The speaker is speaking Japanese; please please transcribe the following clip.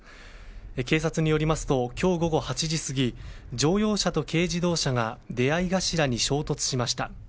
警察によりますと今日午後８時すぎ乗用車と軽自動車が出会い頭に衝突しました。